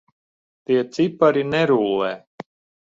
Tie cipari nerullē.